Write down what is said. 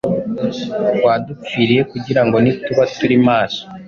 wadupfiriye kugira ngo nituba turi maso,